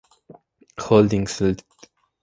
Holdings Ltd.